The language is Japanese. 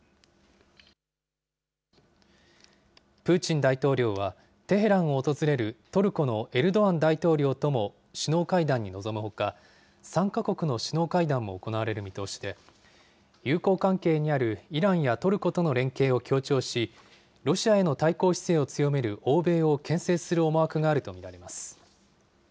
プーチン大統領は、テヘランを訪れるトルコのエルドアン大統領とも首脳会談に臨むほか、３か国の首脳会談も行われる見通しで、友好関係にあるイランやトルコとの連携を強調し、ロシアへの対抗姿勢を強める欧米をけん制する思惑があると見られます。